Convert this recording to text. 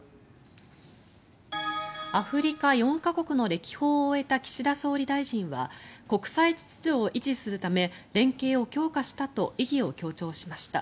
アフリカ４か国の歴訪を終えた岸田総理大臣は国際秩序を維持するため連携を強化したと意義を強調しました。